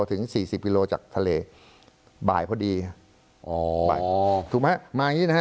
ถึงสี่สิบกิโลจากทะเลบ่ายพอดีอ๋อบ่ายอ๋อถูกไหมมาอย่างงี้นะฮะ